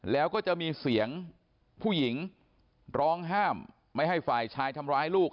แล้วก็จะมีเสียงผู้หญิงร้องห้ามไม่ให้ฝ่ายชายทำร้ายลูก